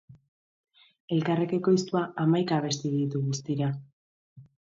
Elkarrek ekoiztua hamaika abesti ditu guztira.